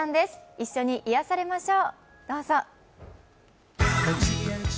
一緒に癒やされましょう。